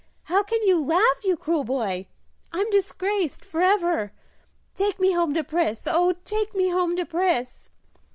how can you laugh, you cruel boy? I'm disgraced, forever take me home to Pris, oh, take me home to Pris!"